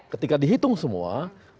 ketika dihitung semua